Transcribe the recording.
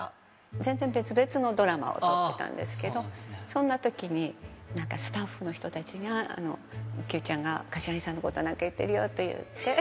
全然別々のドラマを撮ってたんですけど、そんなときに、なんかスタッフの人たちが、九ちゃんが柏木さんのこと、なんか言ってるよって言って。